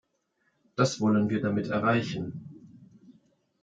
Das wollen wir damit erreichen.